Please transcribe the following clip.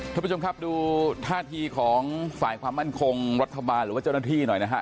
ท่านผู้ชมครับดูท่าทีของฝ่ายความมั่นคงรัฐบาลหรือว่าเจ้าหน้าที่หน่อยนะฮะ